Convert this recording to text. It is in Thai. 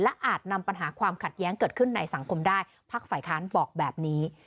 อาจนำปัญหาความขัดแย้งเกิดขึ้นในสังคมได้พักฝ่ายค้านบอกแบบนี้